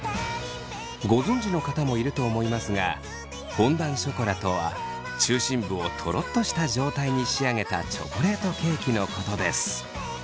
ご存じの方もいると思いますがフォンダンショコラとは中心部をトロッとした状態に仕上げたチョコレートケーキのことです。